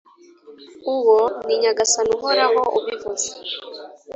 Uwo ni Nyagasani Uhoraho ubivuze.